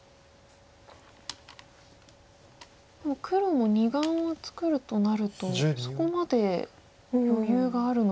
でも黒も２眼を作るとなるとそこまで余裕があるのか。